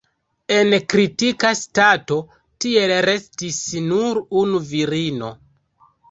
En kritika stato tiel restis nur unu virino.